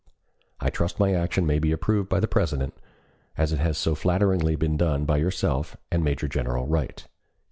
I trust my action may be approved by the President, as it has so flatteringly been done by yourself and Major General Wright."